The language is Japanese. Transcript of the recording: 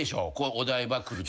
お台場来ると。